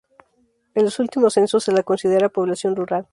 En los últimos censos se la considera población rural.